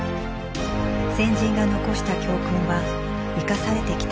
先人が残した教訓は生かされてきたのか。